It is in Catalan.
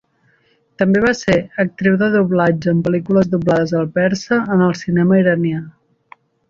També va ser actriu de doblatge en pel·lícules doblades al persa en el cinema iranià.